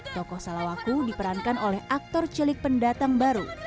tokoh salawaku diperankan oleh aktor cilik pendatang baru